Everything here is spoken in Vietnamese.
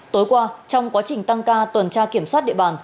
tối qua trong quá trình tăng ca tuần tra kiểm soát địa bàn